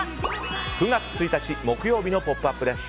９月１日、木曜日の「ポップＵＰ！」です。